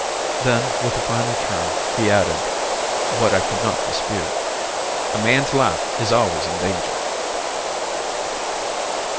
Then, with a final turn, he added, what I could not dispute, "A man's life is always in danger."